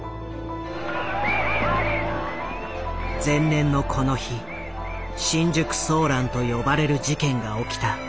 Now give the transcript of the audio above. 前年のこの日「新宿騒乱」と呼ばれる事件が起きた。